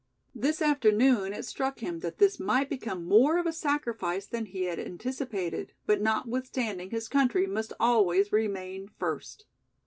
This afternoon it struck him that this might become more of a sacrifice than he had anticipated, but notwithstanding his country must always remain first!